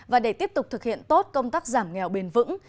và để tiếp tục thực hiện tốt công tác giảm nghèo bền vững